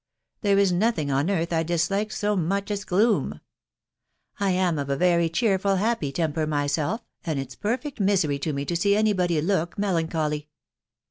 There is nothing on earth I dislike so much as gloom. I am of a very cheerful, happy temper myself, and it's perfect misery to me to see any body look melancholy.